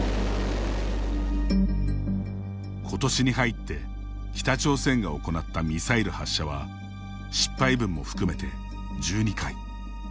ことしに入って北朝鮮が行ったミサイル発射は失敗分を含めて１２回。